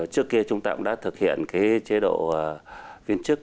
trước kia chúng ta cũng đã thực hiện chế độ viên chức